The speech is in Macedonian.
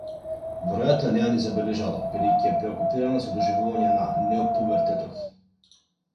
Веројатно не ја ни забележала, бидејќи е преокупирана со доживувањето на неопубертетот.